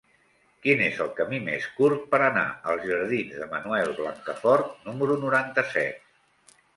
Quin és el camí més curt per anar als jardins de Manuel Blancafort número noranta-set?